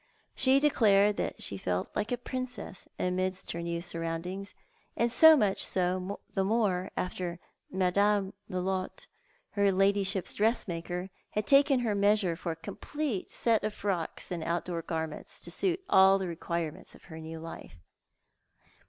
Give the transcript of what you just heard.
She declared that she felt like a princess amidst her new surround ings, and so much the more so after Madame Lolotte, her ladyshiji's dressmaker, had taken her measure for a complete set of frocks and outdoor garments to suit all the requirements of her new life.